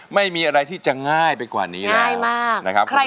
ไม่มีอะไรที่จะง่ายกว่านี้